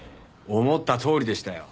思ったとおりでしたよ。